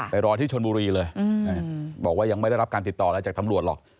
รอที่ชนบุรีเลยบอกว่ายังไม่ได้รับการติดต่ออะไรจากตำรวจหรอก